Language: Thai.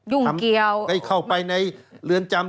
ยุ่งเกี่ยวให้เข้าไปในเรือนจำ